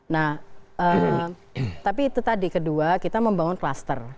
nah tapi itu tadi kedua kita membangun klaster